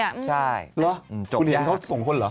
จบละคุณเห็นเมื่อคนของคุณเหรอหรือจบแล้ว